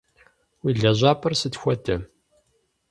Уи лэжьапӏэр сыт хуэдэ?